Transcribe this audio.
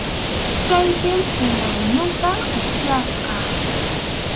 Kaypim puna unuta upyasqa.